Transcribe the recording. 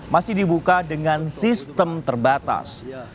masih dibuka dengan sistem terbatas